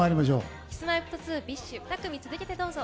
Ｋｉｓ‐Ｍｙ‐Ｆｔ２ＢｉＳＨ２組続けてどうぞ。